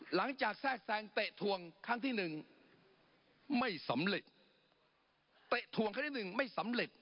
หลังจากแทรกแสงเตะทวงครั้งที่๑ไม่สำเร็จเตะทวงครั้งที่๑ไม่สำเร็จ